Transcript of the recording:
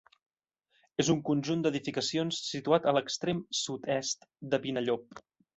És un conjunt d'edificacions situat a l'extrem sud-est de Vinallop.